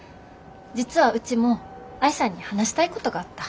実はうちも愛さんに話したいことがあった。